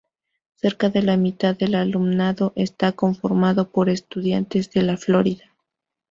Cerca de la mitad del alumnado está conformado por estudiantes de la Florida.